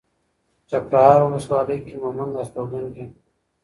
چپرهار ولسوالۍ کې مومند استوګن دي.